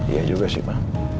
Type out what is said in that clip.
iya juga sih ma